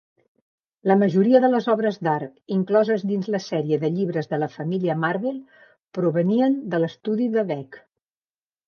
La majoria de les obres d'art incloses dins la sèrie de llibres de la família Marvel provenien de l'estudi de Beck.